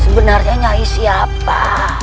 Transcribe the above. sebenarnya nyai siapa